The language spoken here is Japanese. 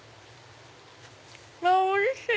おいしい！